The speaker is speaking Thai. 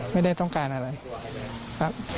ไม่ได้ต้องการอะไรครับ